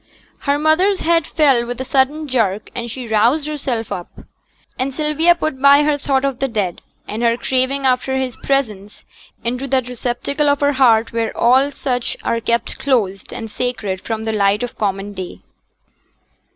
Her mother's head fell with a sudden jerk, and she roused herself up; and Sylvia put by her thought of the dead, and her craving after his presence, into that receptacle of her heart where all such are kept closed and sacred from the light of common day.